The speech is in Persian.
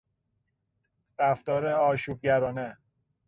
رفتار آشوبگرانه